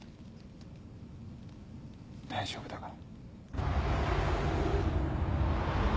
大丈夫だから。